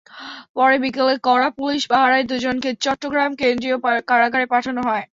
পরে বিকেলে কড়া পুলিশ পাহারায় দুজনকে চট্টগ্রাম কেন্দ্রীয় কারাগারে পাঠানো হয়।